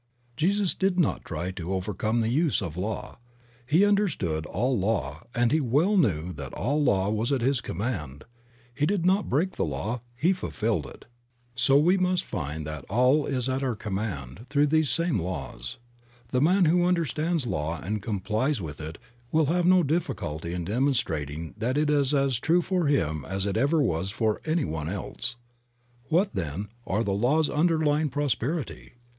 Jesus did not try to over come the use of law; He understood all law and He well knew that all law was at His command; He did not break the law, He fulfilled it. So we must find that all is at our 62 Creative Mind. ) command through these same laws. The man who under stands law and complies with it will have no difficulty in demonstrating that it is as true for him as it ever was for any one else. What, then, are the laws underlying prosper ity?